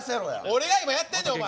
俺が今やってんねんお前。